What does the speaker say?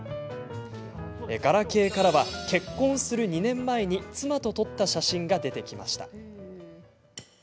ガラケーからは結婚する２年前に妻と撮った写真が出てきました。